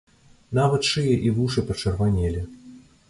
Нават шыя і вушы пачырванелі.